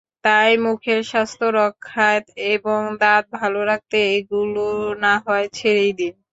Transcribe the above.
তাই মুখের স্বাস্থ্য রক্ষায় এবং দাঁত ভালো রাখতে এগুলো নাহয় ছেড়েই দিন।